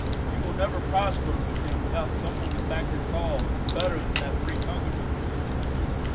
You will never prosper with him without some one to back your cause better than that free tongue of yours.